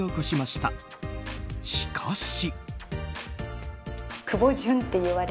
しかし。